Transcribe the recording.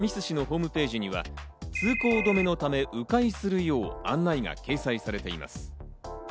しかし、神栖市のホームページには通行止めのため迂回するよう案内が掲載されています。